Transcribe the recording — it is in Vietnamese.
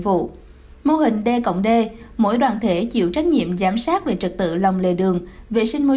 vụ mô hình d cộng d mỗi đoàn thể chịu trách nhiệm giám sát về trật tự lòng lề đường vệ sinh môi